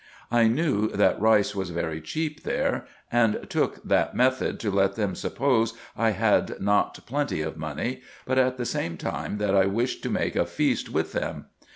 I knew that rice was very cheap there, and took that method, to let them suppose I had not plenty of money, but at the same time that I wished to make a feast with them.